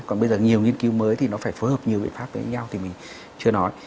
còn bây giờ nhiều nghiên cứu mới thì nó phải phối hợp nhiều biện pháp với nhau thì mình chưa nói